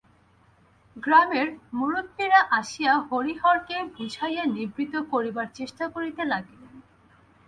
গ্রামের মুবুব্বীরা আসিয়া হরিহরকে বুঝাইয়া নিবৃত্ত করিবার চেষ্টা করিতে লাগিলেন।